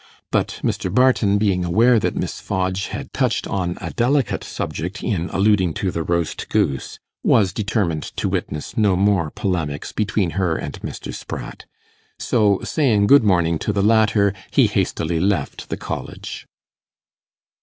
But Mr. Barton, being aware that Miss Fodge had touched on a delicate subject in alluding to the roast goose, was determined to witness no more polemics between her and Mr. Spratt, so, saying good morning to the latter, he hastily left the College.